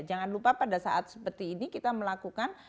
jangan lupa pada saat seperti ini kita melakukan